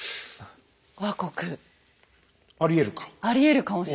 ありえるか。